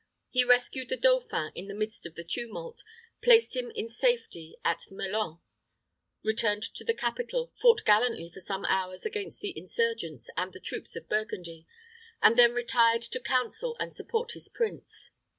He rescued the dauphin in the midst of the tumult, placed him in safety at Melun, returned to the capital, fought gallantly for some hours against the insurgents and the troops of Burgundy, and then retired to counsel and support his prince.